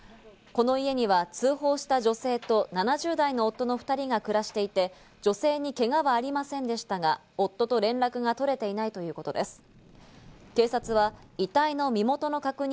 この家には通報した女性と７０代の夫の２人が暮らしていて、女性にけがはありませんでしたが、夫と連絡が取れていないということです。